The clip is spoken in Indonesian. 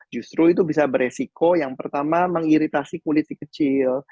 justru itu bisa beresiko yang pertama mengiritasi kulit si kecil